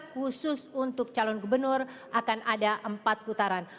khusus untuk calon gubernur akan ada empat putaran